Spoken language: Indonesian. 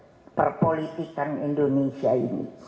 yang perpolitikan indonesia ini